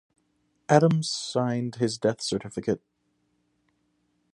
Adams signed his death certificate.